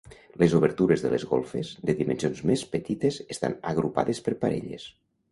Les obertures de les golfes, de dimensions més petites, estan agrupades per parelles.